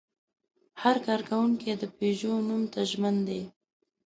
هر کارکوونکی د پيژو نوم ته ژمن دی.